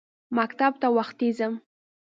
مکتب ته وختي ځم.